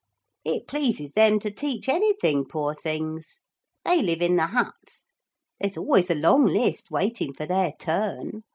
It pleases them to teach anything, poor things. They live in the huts. There's always a long list waiting for their turn.